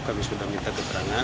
kami sudah minta keterangan